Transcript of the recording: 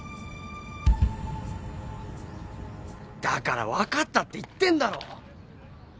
だから分かったって言ってんだろ！